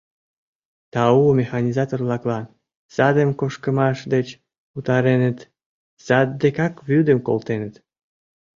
Тау механизатор-влаклан, садым кошкымаш деч утареныт, сад декак вӱдым колтеныт.